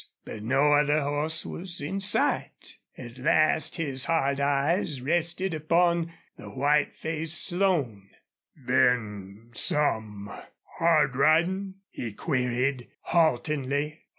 But no other horse was in sight. At last his hard eyes rested upon the white faced Slone. "Been some hard ridin'?" he queried, haltingly.